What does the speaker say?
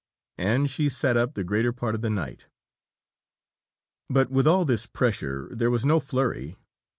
And she sat up the greater part of the night." But with all this pressure, there was no flurry.